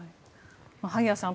萩谷さん